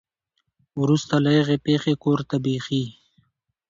ورورسته له هغې پېښې کور ته بېخي